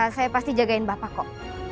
saya pasti jagain bapak kok